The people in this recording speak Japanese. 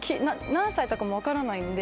何歳とかも分からないんで。